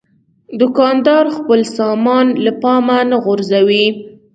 دوکاندار خپل سامان له پامه نه غورځوي.